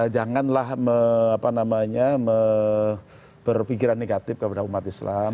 janganlah berpikiran negatif kepada umat islam